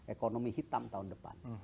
ekonomi hitam tahun depan